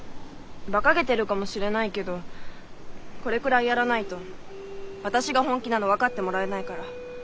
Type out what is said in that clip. バカげてるかもしれないけどこれくらいやらないと私が本気なの分かってもらえないから。